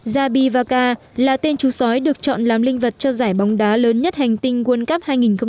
zabivaka là tên chú sói được chọn làm linh vật cho giải bóng đá lớn nhất hành tinh world cup hai nghìn một mươi tám